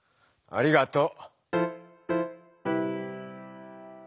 ありがとう！